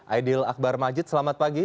aidil akbar majid selamat pagi